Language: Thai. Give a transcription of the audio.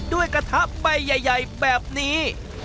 กระทะใบใหญ่แบบนี้